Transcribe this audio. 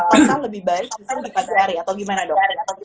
atau kan lebih baik atau gimana dok